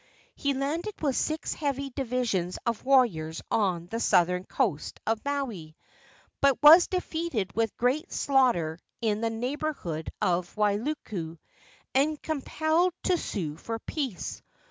He landed with six heavy divisions of warriors on the southern coast of Maui, but was defeated with great slaughter in the neighborhood of Wailuku, and compelled to sue for peace.